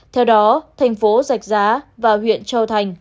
theo đó thành phố giạch giá và huyện châu thành